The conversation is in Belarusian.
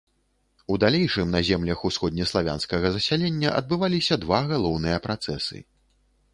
У далейшым, на землях усходнеславянскага засялення адбываліся два галоўныя працэсы.